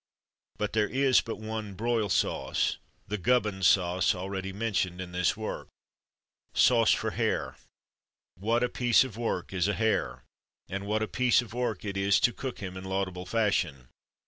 But there is but one broil sauce, the GUBBINS SAUCE, already mentioned in this work. Sauce for Hare. What a piece of work is a hare! And what a piece of work it is to cook him in a laudable fashion!